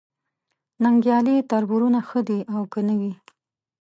ننګیالي تربرونه ښه دي او که نه وي